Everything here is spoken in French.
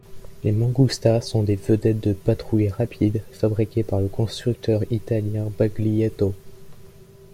Les Mangusta sont des vedettes de patrouilles rapides fabriquées par le constructeur italien Baglietto.